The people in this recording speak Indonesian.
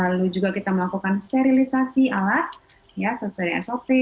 lalu juga kita melakukan sterilisasi alat sesuai sop